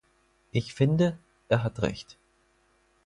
Ich finde, er hat Recht.